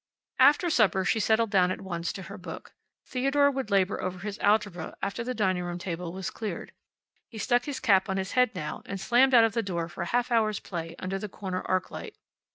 After supper she settled down at once to her book. Theodore would labor over his algebra after the dining room table was cleared. He stuck his cap on his head now, and slammed out of the door for a half hour's play under the corner arc light.